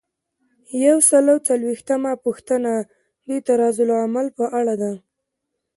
یو سل او یو څلویښتمه پوښتنه د طرزالعمل په اړه ده.